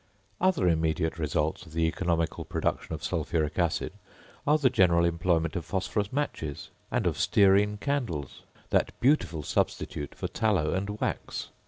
Other immediate results of the economical production of sulphuric acid, are the general employment of phosphorus matches, and of stearine candles, that beautiful substitute for tallow and wax.